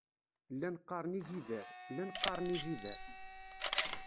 Llan qqaren igider, llan qqaren ijider.